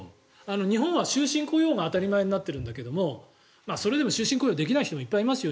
日本は終身雇用が当たり前になってるんだけどそれでも終身雇用できない人もいますよ。